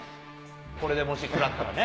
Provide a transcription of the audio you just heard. これでもし食らったらね。